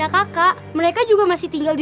kementerian lamasan saya lo